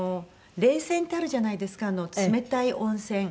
冷泉ってあるじゃないですか冷たい温泉。